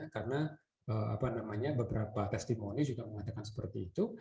karena beberapa testimoni juga mengatakan seperti itu